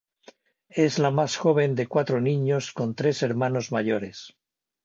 Es la más joven de cuatro niños, con tres hermanos mayores.